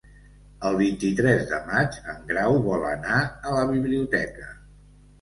El vint-i-tres de maig en Grau vol anar a la biblioteca.